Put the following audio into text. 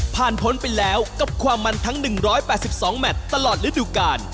พ้นไปแล้วกับความมันทั้ง๑๘๒แมทตลอดฤดูกาล